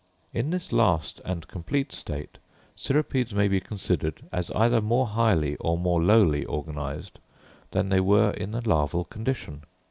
In this last and complete state, cirripedes may be considered as either more highly or more lowly organised than they were in the larval condition.